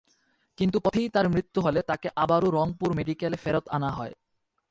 কিন্তু পথেই তাঁর মৃত্যু হলে তাঁকে আবারও রংপুর মেডিকেলে ফেরত আনা হয়।